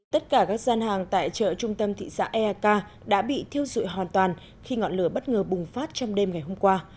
tất cả các gian hàng tại chợ trung tâm thị xã eak đã bị thiêu dụi hoàn toàn khi ngọn lửa bất ngờ bùng phát trong đêm ngày hôm qua